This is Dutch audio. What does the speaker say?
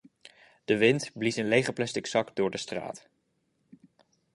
De wind blies een lege plastic zak door de straat.